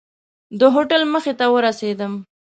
د هوټل مخې ته ورسېدم.